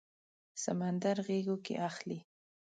سمندر غیږو کې اخلي